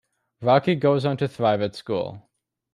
Rocky goes on to thrive at school.